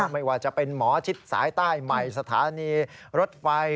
ไม่ว่าจะเป็นหมอชิดสายใต้ใหม่สถานีรถไฟ